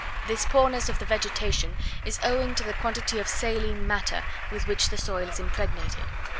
This poorness of the vegetation is owing to the quantity of saline matter with which the soil is impregnated.